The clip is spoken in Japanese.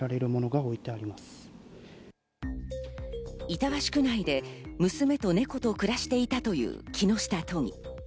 板橋区内で娘と猫と暮らしていたという木下都議。